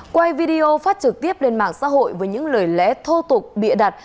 quay video phát trực tiếp lên mạng xã hội với những lời lẽ thô tục bịa đặt